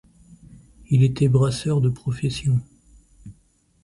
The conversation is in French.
Il était brasseur de profession.